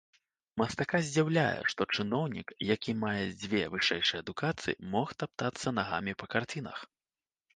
Мастака здзіўляе, што чыноўнік, які мае дзве вышэйшыя адукацыі, мог таптацца нагамі па карцінах.